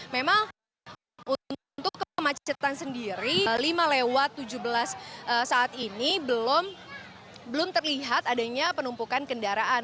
memang untuk kemacetan sendiri lima lewat tujuh belas saat ini belum terlihat adanya penumpukan kendaraan